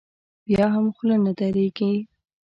بیا هم خوله نه درېږي.